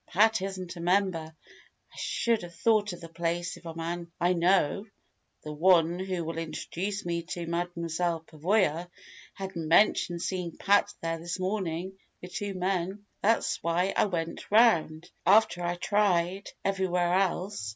Pat isn't a member. I shouldn't have thought of the place if a man I know (the one who will introduce me to Mademoiselle Pavoya) hadn't mentioned seeing Pat there this morning with two men. That's why I went round, after I'd tried everywhere else.